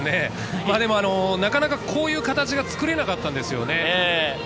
なかなかこういう形が作れなかったんですよね。